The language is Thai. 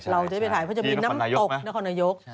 เราจะได้ไปถ่ายเพราะจะมีน้ำตกนครนายก